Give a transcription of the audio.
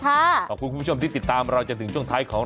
อาจมังสุขเห็น